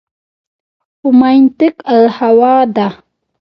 و ما ینطق الهوا ده